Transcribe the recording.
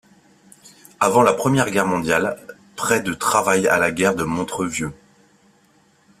Avant la Première Guerre mondiale, près de travaillaient à la gare de Montreux-Vieux.